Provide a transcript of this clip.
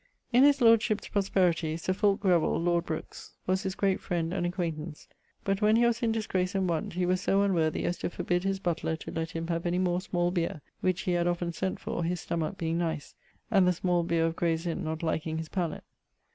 In his lordship's prosperity Sir Fulke Grevil, lord Brookes, was his great friend and acquaintance; but when he was in disgrace and want, he was so unworthy as to forbid his butler to let him have any more small beer, which he had often sent for, his stomach being nice, and the small beere of Grayes Inne not liking his pallet.